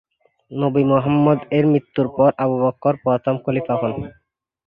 নবী মোহাম্মদ-এর মৃত্যুর পরে আবু বকর প্রথম খলিফা হন।